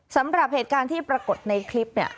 สำหรับเหตุการณ์ที่ปรากฏในคลิปเนี่ย